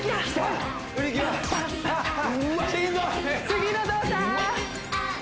次の動作！